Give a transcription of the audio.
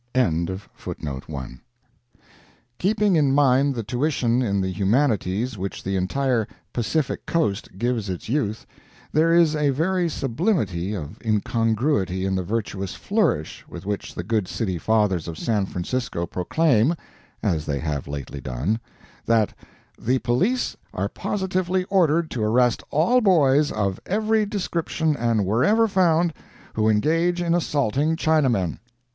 ] Keeping in mind the tuition in the humanities which the entire "Pacific coast" gives its youth, there is a very sublimity of incongruity in the virtuous flourish with which the good city fathers of San Francisco proclaim (as they have lately done) that "The police are positively ordered to arrest all boys, of every description and wherever found, who engage in assaulting Chinamen."